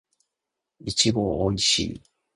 いちごおいしい